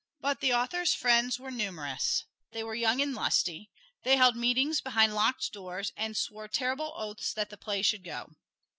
But the author's friends were numerous; they were young and lusty; they held meetings behind locked doors, and swore terrible oaths that the play should go.